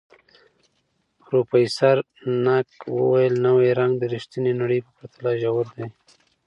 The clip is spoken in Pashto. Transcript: پروفیسر نګ وویل، نوی رنګ د ریښتیني نړۍ په پرتله ژور دی.